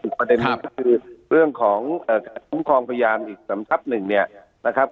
ประเด็นหนึ่งก็คือเรื่องของคุ้มครองพยานอีกสำทับหนึ่งเนี่ยนะครับ